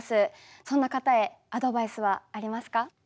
そんな方へアドバイスはありますか？